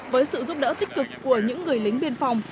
với sự giúp đỡ tích cực của những người lính biên phòng